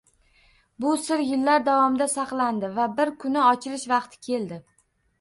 Bu sir yillar davomida saqlandi va bir kuni ochilish vaqti keldi